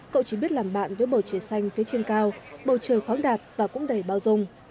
cậu chỉ biết làm bạn với bầu trời xanh phía trên cao bầu trời khoáng đạt và cũng đầy bao dung